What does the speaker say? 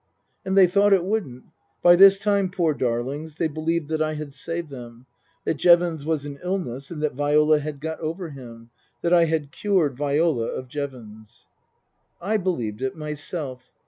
And they thought it wouldn't. By this time, poor darlings, they believed that I had saved them ; that Jevons was an illness and that Viola had got over him ; that I had cured Viola of Jevons. I believed it myself.